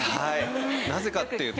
なぜかっていうと。